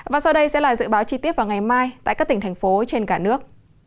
và sau đây sẽ là dự báo chi tiết vào ngày mai tại các tỉnh thành phố trên cả nước